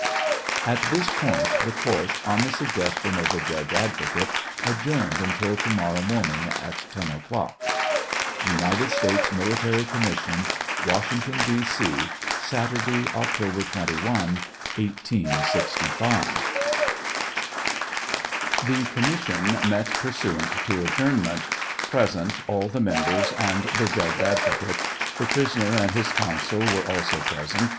(At this point, the court, on the suggestion of the judge advocate, adjourned until to morrow morning at 10 o'clock.) United States Military Commission, Washington, D. C, Saturday, October 21, 1865. The commission met pursuant to adjournment. Present, all the members and the judge advocate. The prisoner and his counsel were also present.